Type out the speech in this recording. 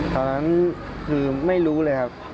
ตอนนั้นคือไม่รู้เลยครับ